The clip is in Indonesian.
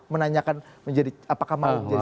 menanyakan apakah mau menjadi